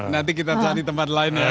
nanti kita cari tempat lain ya